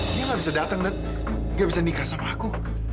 dia gak bisa dateng dan dia gak bisa nikah sama aku